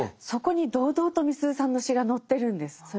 そこに堂々とみすゞさんの詩が載ってるんです。